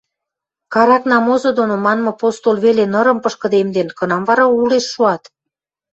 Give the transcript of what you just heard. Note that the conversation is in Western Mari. Карак намозы доно манмы постол веле нырым пышкыдемден, кынам вара улеш шоат?